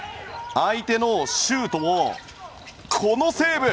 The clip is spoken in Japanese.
相手のシュートを、このセーブ。